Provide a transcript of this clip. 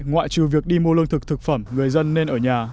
ngoại trừ việc đi mua lương thực thực phẩm người dân nên ở nhà